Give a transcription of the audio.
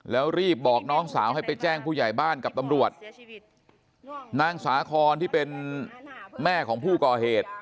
แล้วรีบบอกน้องสาวให้ไปแจ้งผู้ใหญ่บ้านกับตำรวจนางสาคอนที่เป็นแม่ของผู้ก่อเหตุ